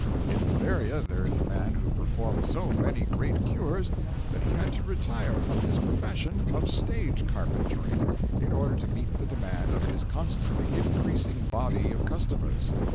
In Bavaria there is a man who performed so many great cures that he had to retire from his profession of stage carpentering in order to meet the demand of his constantly increasing body of customers.